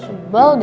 ya sebal deh